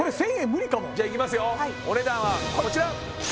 無理かもじゃいきますよお値段はこちら